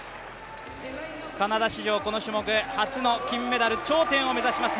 カナダ史上初の種目初の金メダル、頂点を目指します